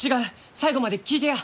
最後まで聞いてや！